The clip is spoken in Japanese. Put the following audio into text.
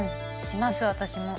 します私も。